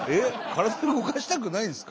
体動かしたくないんですか？